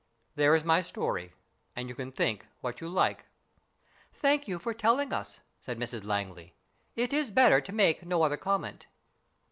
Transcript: There is my story, and you can think what you like." " Thank you for telling us," said Mrs Langley. " It is better to make no other comment."